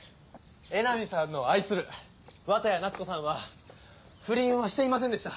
江波さんの愛する綿谷夏子さんは不倫はしていませんでした。